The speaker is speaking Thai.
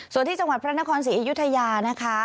ส่วนที่จังหวัดพระนครศรีอยุธยานะคะ